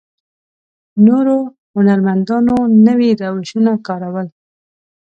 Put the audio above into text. نورو هنرمندانو نوي روشونه کارول.